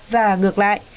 và ngược lại